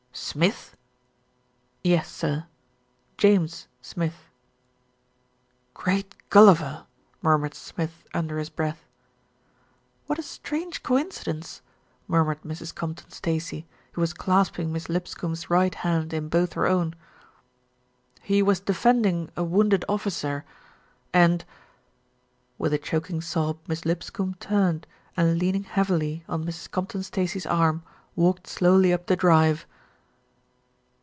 "Smith!" "Yes, sir, James Smith." MR. GADGETT TELLS THE TRUTH 335 "Great Gulliver!" murmured Smith under his breath. "What a strange coincidence," murmured Mrs. Compton Stacey, who was clasping Miss Lipscombe's right hand in both her own. "He was defending a wounded officer and " With a choking sob Miss Lipscombe turned and, leaning heavily on Mrs. Compton Stacey's arm, walked slowly up the drive.